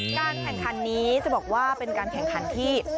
การแข่งขันนี้จะบอกว่าเป็นการแข่งขันที่